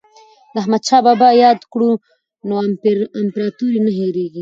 که احمد شاه بابا یاد کړو نو امپراتوري نه هیریږي.